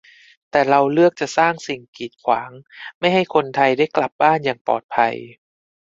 แต่เราเลือกจะสร้างสิ่งกีดขวาง ไม่ให้คนไทยได้กลับบ้านอย่างปลอดภัย